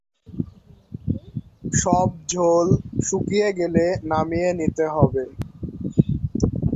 সব ঝোল শুকিয়ে গেলে নামিয়ে নিতে হবে।